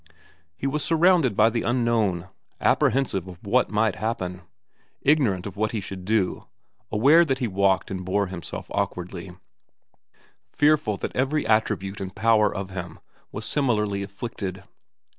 He was surrounded by the unknown, apprehensive of what might happen, ignorant of what he should do, aware that he walked and bore himself awkwardly, fearful that every attribute and power of him was similarly afflicted.